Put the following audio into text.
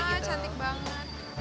ah cantik banget